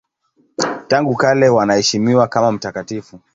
Tangu kale wanaheshimiwa kama mtakatifu.